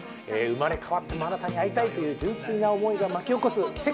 生まれ変わってもあなたに会いたいという純粋な思いが巻き起こす奇跡の物語です。